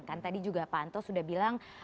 kan tadi juga pak anto sudah bilang